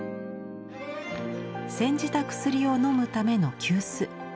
煎じた薬を飲むための急須。